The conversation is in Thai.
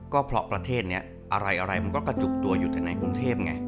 ก็เพราะประเทศนี้อะไรมันก็กระจุกตัวอยู่ถึงในกรุงเทพไง